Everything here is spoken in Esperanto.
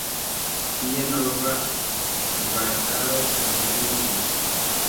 Tie nova kvartalo konstruiĝis.